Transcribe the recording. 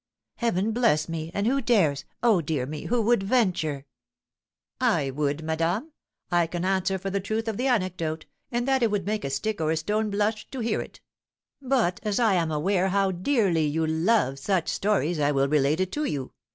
"Heaven bless me! and who dares oh, dear me, who would venture " "I would, madame. I can answer for the truth of the anecdote, and that it would make a stick or a stone blush to hear it; but, as I am aware how dearly you love such stories, I will relate it to you.